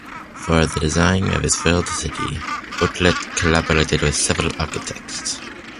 For the design of his World City, Otlet collaborated with several architects.